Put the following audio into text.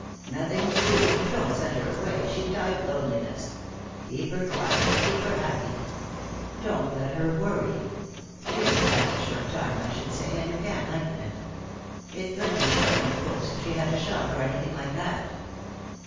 "Nothing to do. Don't send her away; she'd die of loneliness. Keep her quiet and keep her happy. Don't let her worry. She only has a short time, I should say, and you can't lengthen it. It could be shortened, of course, if she had a shock, or anything like that."